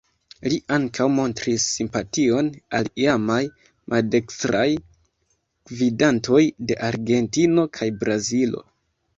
Li ankaŭ montris simpation al iamaj maldekstraj gvidantoj de Argentino kaj Brazilo.